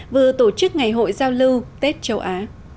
vừa tổ chức ngày hội giao lưu tết châu á